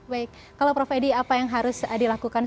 baik kalau prof edi apa yang harus dilakukan